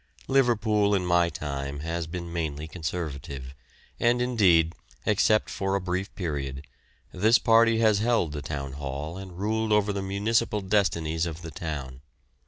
Liverpool in my time has been mainly Conservative, and indeed, except for a brief period, this party has held the Town Hall and ruled over the municipal destinies of the town.